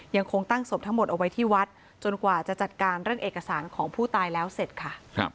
ยังคงตั้งศพทั้งหมดเอาไว้ที่วัดจนกว่าจะจัดการเรื่องเอกสารของผู้ตายแล้วเสร็จค่ะ